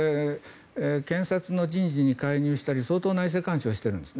検察の人事に介入したり相当内政干渉をしているんですね。